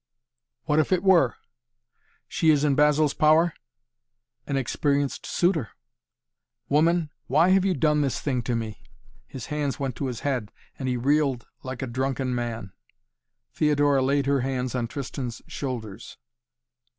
"What if it were?" "She is in Basil's power?" "An experienced suitor." "Woman, why have you done this thing to me?" His hands went to his head and he reeled like a drunken man. Theodora laid her hands on Tristan's shoulders.